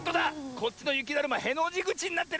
こっちのゆきだるまへのじぐちになってる！